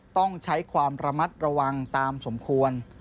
ต้องใช้ความระมัดระวังตามสมควร